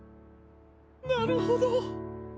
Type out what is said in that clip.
なるほど。